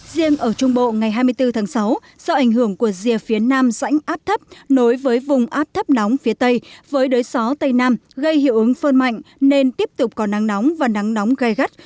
riêng ở trung bộ ngày hai mươi bốn tháng sáu do ảnh hưởng của rìa phía nam rãnh áp thấp nối với vùng áp thấp nóng phía tây với đới gió tây nam gây hiệu ứng phơn mạnh nên tiếp tục có nắng nóng và nắng nóng gai gắt